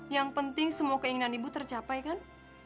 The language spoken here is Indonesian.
yang penting semua keinginan ibu tercapai kan